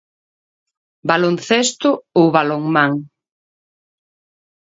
Baloncesto ou balonmán?